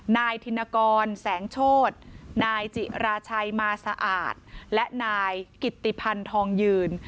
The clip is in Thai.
นายธินกรแสงโชธนายจิราชัยมาสะอาดและนายกิตติพันธองยืน